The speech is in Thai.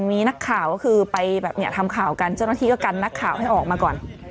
มีนักข่าวก็คือไปแบบเนี่ยทำข่าวกันเจ้าหน้าที่ก็กันนักข่าวให้ออกมาก่อน